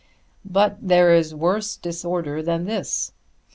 But there is worse disorder than this.